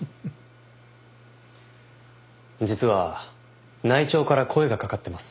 実は内調から声が掛かってます。